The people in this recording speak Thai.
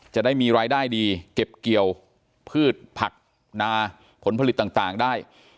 จะได้มีรายได้ดีเก็บเกี่ยวพืชผักนาผลผลิตต่างได้